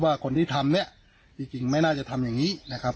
ว่าคนที่ทำเนี่ยจริงไม่น่าจะทำอย่างนี้นะครับ